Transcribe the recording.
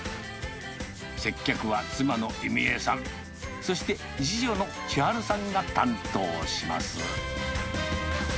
接客は妻のゆみえさん、そして次女の智悠さんが担当します。